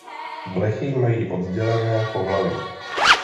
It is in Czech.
Blechy mají oddělené pohlaví.